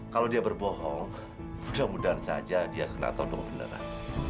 kalau dia berbohong mudah mudahan saja dia kena todong beneran